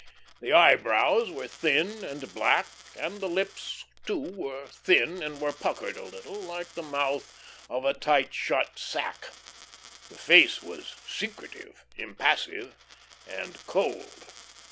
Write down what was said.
The eyebrows were thin and black, and the lips too were thin and were puckered a little, like the mouth of a tight shut sack. The face was secretive, impassive, and cold.